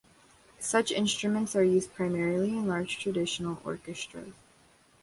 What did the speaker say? Such instruments are used primarily in large traditional orchestras.